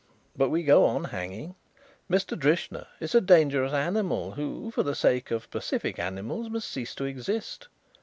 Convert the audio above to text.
But we go on hanging. Mr. Drishna is a dangerous animal who for the sake of pacific animals must cease to exist.